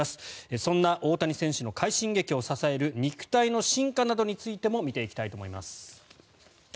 そんな大谷選手の快進撃を支える肉体の進化などについても見ていきたいと思います。